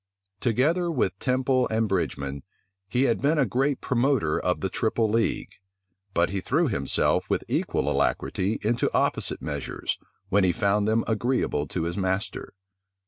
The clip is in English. Together with Temple and Bridgeman, he had been a great promoter of the triple league; but he threw himself with equal alacrity into opposite measures, when he found them agreeable to his master.